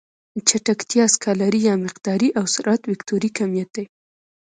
چټکتیا سکالري يا مقداري او سرعت وکتوري کميت دی.